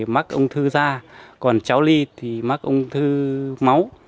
mắc ung thư da còn cháu ly thì mắc ung thư máu